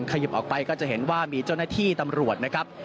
ขยิบออกไปก็จะเห็นว่ามีเจ้าหน้าที่ตำรวจนะครับ